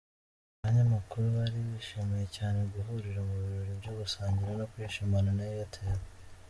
Abanyamakuru bari bishimiye cyane guhurira mu birori byo gusangira no kwishimana na Airtel.